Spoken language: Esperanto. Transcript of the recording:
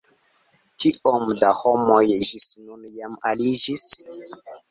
Kiom da homoj ĝis nun jam aliĝis?